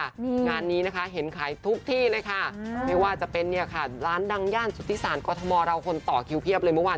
งานนี้นะคะเห็นขายทุกที่เลยค่ะไม่ว่าจะเป็นเนี่ยค่ะร้านดังย่านสุธิศาลกรทมเราคนต่อคิวเพียบเลยเมื่อวาน